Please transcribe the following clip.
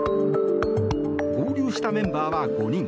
合流したメンバーは５人。